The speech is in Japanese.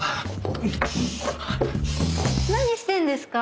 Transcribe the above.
何してるんですか？